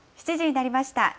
７時になりました。